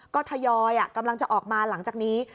ก็ทยอยกำลังจะออกมาหลังจากนี้